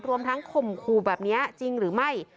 รวมทั้งข่มขู่แบบนี้จริงหรือไม่